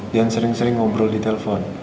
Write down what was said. jangan sering sering ngobrol di telfon